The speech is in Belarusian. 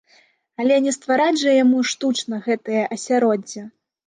Але не ствараць жа яму штучна гэтае асяроддзе!